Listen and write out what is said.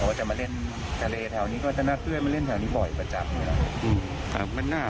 เขาจะมาเล่นทะเลแถวนี้ก็จะนัดด้วยมาเล่นแถวนี้บ่อยประจำ